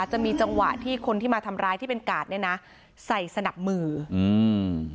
จะมีจังหวะที่คนที่มาทำร้ายที่เป็นกาดเนี้ยนะใส่สนับมืออืม